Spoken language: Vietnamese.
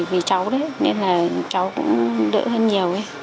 vì cháu đấy nên là cháu cũng đỡ hơn nhiều